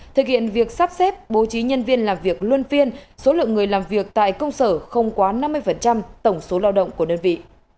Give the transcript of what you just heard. thực hiện việc sắp xếp bố trí nhân viên làm việc luân phiên số lượng người làm việc tại công sở không quá năm mươi tổng số lao động của đơn vị